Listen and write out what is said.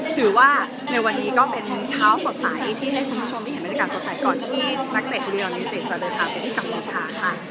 ถือว่าในวันนี้ก็เป็นเช้าสดใสที่ให้คุณผู้ชมได้เห็นบรรยากาศสดใสก่อนที่นักเตะเรียลยูนิเต็ดจะเดินทางไปที่กัมพูชาค่ะ